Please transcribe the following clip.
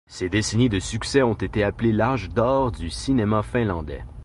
Ces décennies de succès ont été appelées l'âge d'or du cinéma finlandais.